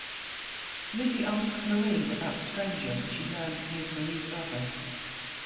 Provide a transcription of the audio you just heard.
Lizzie asks Marie about the stranger and she learns he is Marie's brother.